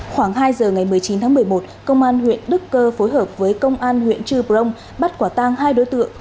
khoảng hai giờ ngày một mươi chín tháng một mươi một công an huyện đức cơ phối hợp với công an huyện trư prong bắt quả tang hai đối tượng